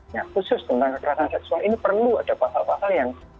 nah khusus tentang kekerasan seksual ini perlu ada pasal pasal yang